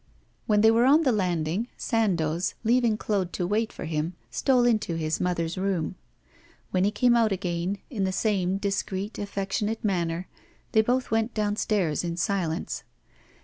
When they were on the landing, Sandoz, leaving Claude to wait for him, stole into his mother's room. When he came out again, in the same discreet affectionate manner, they both went downstairs in silence.